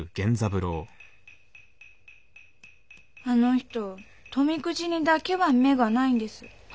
あの人富くじにだけは目がないんです。